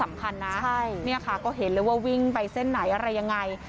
สำคัญนะใช่เนี่ยค่ะก็เห็นเลยว่าวิ่งไปเส้นไหนอะไรยังไง